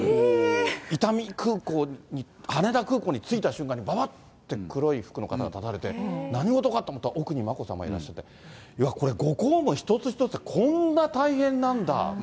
伊丹空港に、羽田空港に着いた瞬間に、ばばって黒い服の方が立たれて、何事かと思ったら、奥に眞子さまいらっしゃって、いや、これ、ご公務の一つ一つ、こんな大変なんだって。